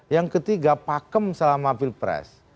yang ketiga pakem selama pilpres